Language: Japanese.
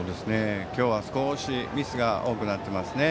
今日は少しミスが多くなっていますね。